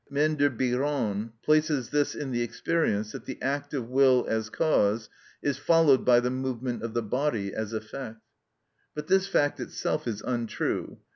Maine de Biran places this in the experience that the act of will as cause is followed by the movement of the body as effect. But this fact itself is untrue.